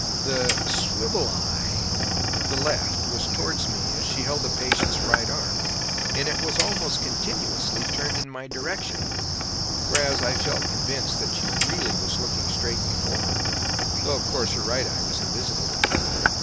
The "swivel eye" the left was towards me as she held the patient's right arm, and it was almost continuously turned in my direction, whereas I felt convinced that she was really looking straight before her, though, of course, her right eye was invisible to me.